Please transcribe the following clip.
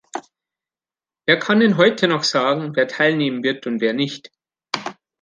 Wer kann denn heute noch sagen, wer teilnehmen wird und wer nicht?